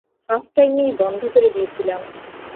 হাফটাইমেই বন্ধ করে দিয়েছিলাম।